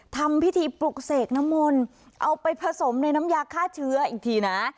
ทำพิธีปลุกเสกน้ำมนต์เอาไปผสมในน้ำยาฆ่าเชื้ออีกทีนะ